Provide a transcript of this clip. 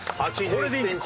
これでいいんです。